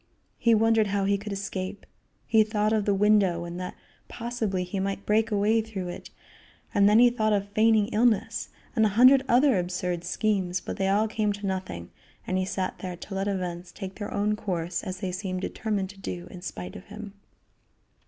He wondered how he could escape. He thought of the window, and that possibly he might break away through it, and then he thought of feigning illness, and a hundred other absurd schemes, but they all came to nothing, and he sat there to let events take their own course as they seemed determined to do in spite of him.